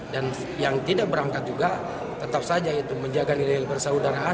dan yang tidak berangkat juga tetap saja itu menjaga nilai nilai persaudaraan